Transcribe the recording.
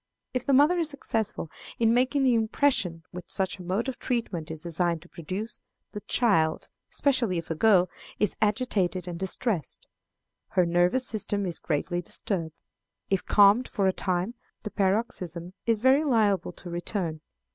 If the mother is successful in making the impression which such a mode of treatment is designed to produce, the child, especially if a girl, is agitated and distressed. Her nervous system is greatly disturbed. If calmed for a time, the paroxysm is very liable to return.